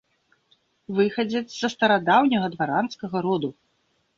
Выхадзец са старадаўняга дваранскага роду.